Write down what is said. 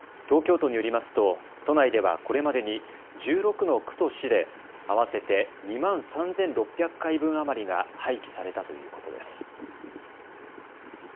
東京都によりますと都内ではこれまでに１６の区と市で合わせて２万３６００回分余りが廃棄されたということです。